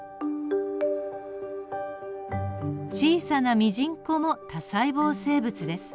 小さなミジンコも多細胞生物です。